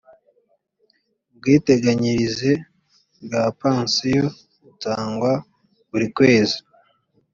ubwiteganyirize bwa pansiyo butangwa buri kwezi